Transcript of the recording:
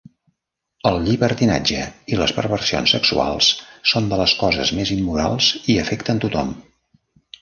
El llibertinatge i les perversions sexuals són de les coses més immorals i afecten tothom.